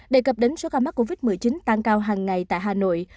đề cập đến số ca mắc covid một mươi chín tăng cao hàng ngày tại hà nội